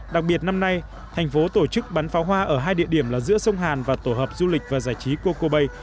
đặc biệt năm nay thành phố tổ chức bắn pháo hoa ở hai địa điểm là giữa sông hàn và tổ hợp du lịch và giải trí coco bay